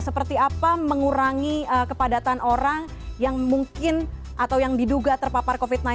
seperti apa mengurangi kepadatan orang yang mungkin atau yang diduga terpapar covid sembilan belas